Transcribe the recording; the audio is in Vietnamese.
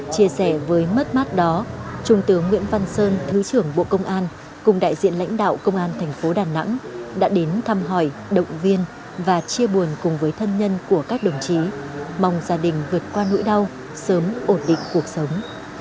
chia sẻ với mất mát đó trung tướng nguyễn văn sơn thứ trưởng bộ công an cùng đại diện lãnh đạo công an thành phố đà nẵng đã đến thăm hỏi động viên và chia buồn cùng với thân nhân của các đồng chí mong gia đình vượt qua nỗi đau sớm ổn định cuộc sống